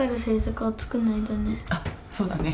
あっそうだね。